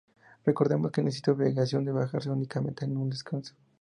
Recordemos que no existe obligación de bajarse, únicamente es un descanso.